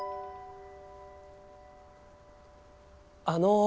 あの。